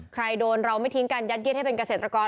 ใครโดนเราไม่ทิ้งการยัดเย็ดให้เป็นเกษตรกร